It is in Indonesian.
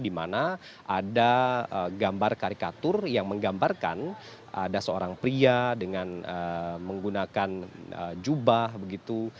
di mana ada gambar karikatur yang menggambarkan ada seorang pria dengan menggunakan jubah begitu